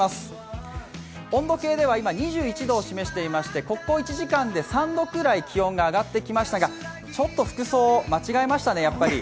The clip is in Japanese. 温度計では今、２１度を示していましてここ１時間で３度くらい気温が上がってきましたがちょっと服装間違えましたね、やっぱり。